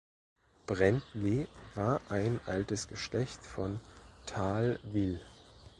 Brändli war ein altes Geschlecht von Thalwil.